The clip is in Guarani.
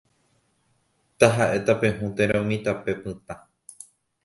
Tahaʼe tape hũ térã umi tape pytã.